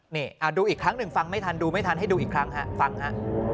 นี่ดูอีกครั้งหนึ่งฟังไม่ทันดูไม่ทันให้ดูอีกครั้งฮะฟังฮะ